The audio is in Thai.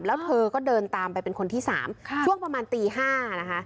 แล้วเธอก็เดินตามไปเป็นคนที่๓ช่วงประมาณตี๕นะคะ